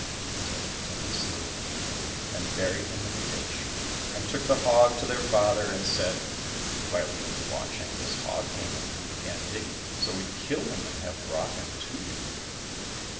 So they took and slew him, and buried him in the ditch, and took the hog to their father, and said, " While we were watching, this hog came up and began digging, so we killed him and have brought him to you."